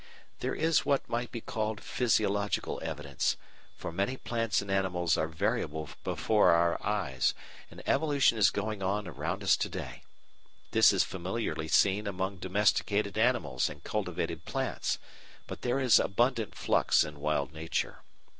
There is what might be called physiological evidence, for many plants and animals are variable before our eyes, and evolution is going on around us to day. This is familiarly seen among domesticated animals and cultivated plants, but there is abundant flux in Wild Nature.